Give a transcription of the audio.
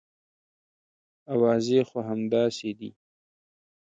اوازې خو همداسې دي.